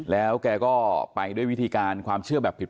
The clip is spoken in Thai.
แล้วแกก็ไปด้วยวิธีการความเชื่อแบบผิด